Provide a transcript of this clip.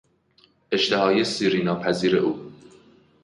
اشتهای سیری ناپذیر او